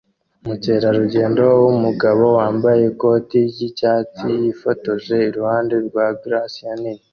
Umukerarugendo wumugabo wambaye ikoti ryicyatsi yifotoje iruhande rwa glacier nini